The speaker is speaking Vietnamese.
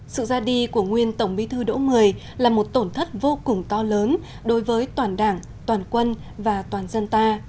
sự ra đi của nguyên tổng bí thư đỗ mười là một tổn thất vô cùng to lớn đối với toàn đảng toàn quân và toàn dân ta